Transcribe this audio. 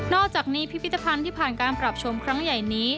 อกจากนี้พิพิธภัณฑ์ที่ผ่านการปรับชมครั้งใหญ่นี้